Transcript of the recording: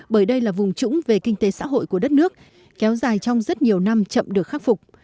bởi đây là vùng trũng về kinh tế xã hội của đất nước kéo dài trong rất nhiều năm chậm được khắc phục